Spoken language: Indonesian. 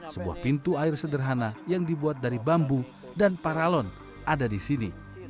sebuah pintu air sederhana yang dibuat dari bambu dan paralon ada di sini